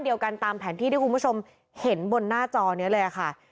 ตามแผนที่ที่คุณผู้ชมเห็นบนหน้าจอนี้เลยค่ะ